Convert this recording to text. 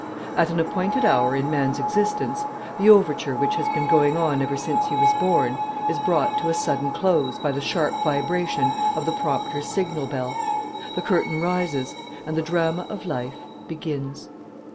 At an appointed hour in man's existence, the overture which has been going on ever since he was born is brought to a sudden close by the sharp vibration of the prompter's signal bell; the curtain rises, and the drama of life begins.